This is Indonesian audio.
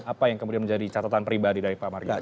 apa yang kemudian menjadi catatan pribadi dari pak marga